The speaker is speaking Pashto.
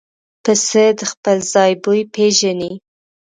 پسه د خپل ځای بوی پېژني.